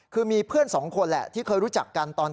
คือมีเพื่อนสองคนแหละที่เคยรู้จักกันตอน